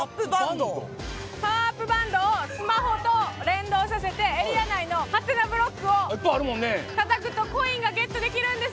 バンドをスマホと連動させてエリア内のハテナブロックをたたくとコインがゲットできるんです。